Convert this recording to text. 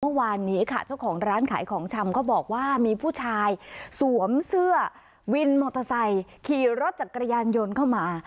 เมื่อวานนี้ค่ะเจ้าของร้านขายของชำก็บอกว่ามีผู้ชายสวมเสื้อวินมอเตอร์ไซค์ขี่รถจักรยานยนต์เข้ามา